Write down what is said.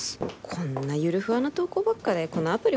こんなゆるふわな投稿ばっかでこのアプリ